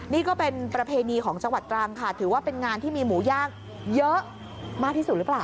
นี่ก็เป็นประเพณีของจังหวัดตรังค่ะถือว่าเป็นงานที่มีหมูย่างเยอะมากที่สุดหรือเปล่า